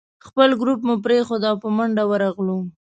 خپل ګروپ مو پرېښود او په منډه ورغلو.